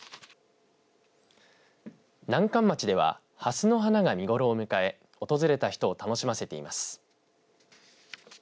南関町ではハスの花が見頃を迎え訪れた人を楽しませています。